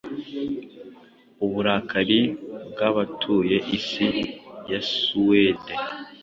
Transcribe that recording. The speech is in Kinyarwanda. Uburakari bwabatuye isi ya Suwede